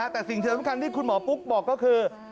แต่สิ่งสำคัญที่คุณหมอปุ๊กบอกก็คือ